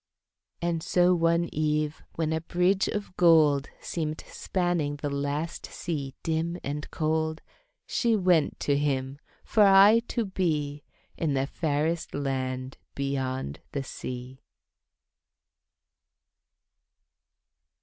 And so one eve when a bridge of gold Seemed spanning the last sea dim and cold, She went to him, for aye to be In the fairest land beyond the sea.